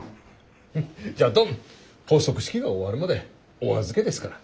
じゃっどん発足式が終わるまでお預けですから。